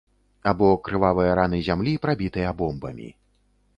Або крывавыя раны зямлі, прабітыя бомбамі.